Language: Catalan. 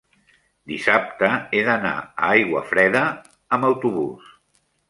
dissabte he d'anar a Aiguafreda amb autobús.